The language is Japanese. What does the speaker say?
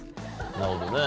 なるほどね。